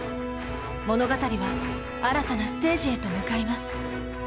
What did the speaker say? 物語は新たなステージへと向かいます。